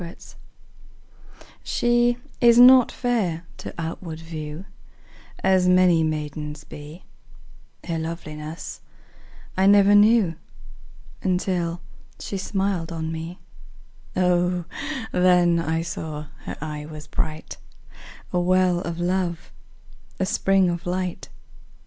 Song SHE is not fair to outward view As many maidens be, Her loveliness I never knew Until she smiled on me; O, then I saw her eye was bright, 5 A well of love, a spring of light!